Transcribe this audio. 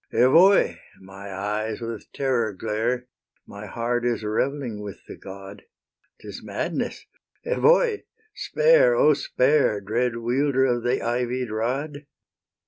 Evoe! my eyes with terror glare; My heart is revelling with the god; 'Tis madness! Evoe! spare, O spare, Dread wielder of the ivied rod!